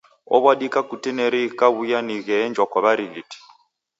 Ow'adika kutineri ghikaw'uya ni gheenjwa kwa w'arighiti.